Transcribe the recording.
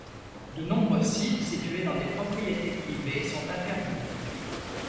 De nombreux sites, situés dans des propriétés privées sont interdits.